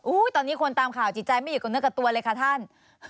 ตอนนี้คนตามข่าวจิตใจไม่อยู่กับเนื้อกับตัวเลยค่ะท่าน